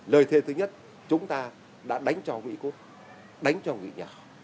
lời thề thứ nhất chúng ta đã đánh cho ngụy cốt đánh cho ngụy nhỏ